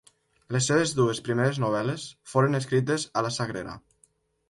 Les seves dues primeres novel·les foren escrites a la Sagrera.